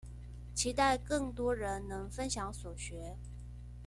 期待更多人能分享所學